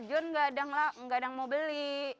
john kadang mau beli